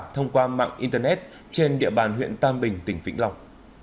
thông qua mạng internet trên địa bàn huyện tam bình tỉnh vĩnh long